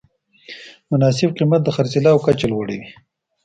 مناسب قیمت د خرڅلاو کچه لوړوي.